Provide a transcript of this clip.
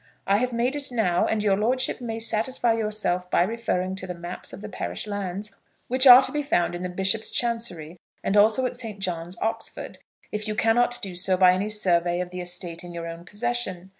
I have made it now, and your lordship may satisfy yourself by referring to the maps of the parish lands, which are to be found in the bishop's chancery, and also at St. John's, Oxford, if you cannot do so by any survey of the estate in your own possession.